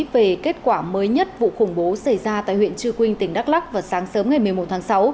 về kết quả mới nhất vụ khủng bố xảy ra tại huyện trư quynh tỉnh đắk lắc vào sáng sớm ngày một mươi một tháng sáu